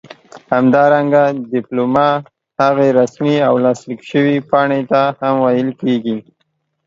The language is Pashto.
همدارنګه ډيپلوما هغې رسمي او لاسليک شوي پاڼې ته هم ويل کيږي